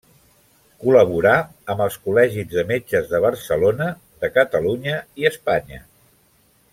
Col·laborà amb els Col·legis de Metges de Barcelona, de Catalunya i Espanya.